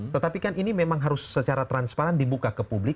tetapi kan ini memang harus secara transparan dibuka ke publik